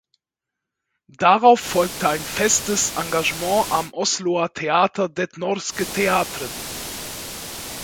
Darauf folgte ein festes Engagement am Osloer Theater Det Norske Teatret.